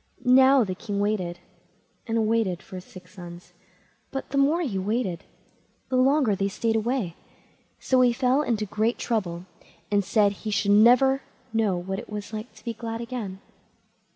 Now the king waited and waited for his six sons, but the more he waited, the longer they stayed away; so he fell into great trouble, and said he should never know what it was to be glad again.